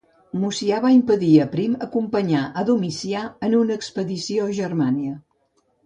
Mucià va impedir a Prim acompanyar a Domicià en una expedició a Germània.